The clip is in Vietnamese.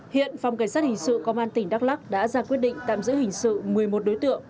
hiện phòng cảnh sát hình sự công an tỉnh đắk lắc đã ra quyết định tạm giữ hình sự một mươi một đối tượng